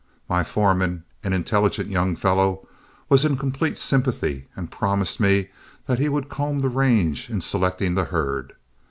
My foreman an intelligent young fellow was in complete sympathy, and promised me that he would comb the range in selecting the herd.